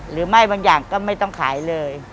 หรือไม่บางอย่างก็ไม่ต้องขายเลย